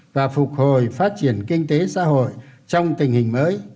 và phục hồi phát triển kinh tế xã hội trong tình hình mới